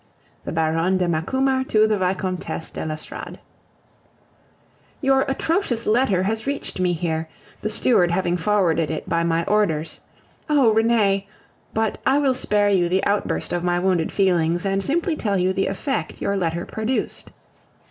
THE BARONNE DE MACUMER TO THE VICOMTESSE DE L'ESTORADE Your atrocious letter has reached me here, the steward having forwarded it by my orders. Oh! Renee... but I will spare you the outburst of my wounded feelings, and simply tell you the effect your letter produced.